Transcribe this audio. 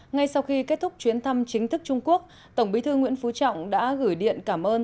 ngay sau khi kết thúc chuyến thăm chính thức trung quốc tổng bí thư nguyễn phú trọng đã gửi điện cảm ơn